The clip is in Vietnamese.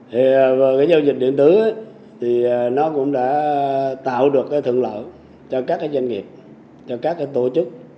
giao dịch điện tử thì nó cũng đã tạo được thượng lợi cho các doanh nghiệp cho các tổ chức